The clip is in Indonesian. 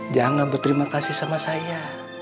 jangan berterima kasih sama saya